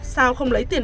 sao không lấy tiền